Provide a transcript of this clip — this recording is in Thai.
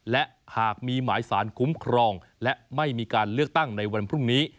และหากมีหมายสารคุ้มครองและไม่มีการเลือกตั้งในวันพรุ่งนี้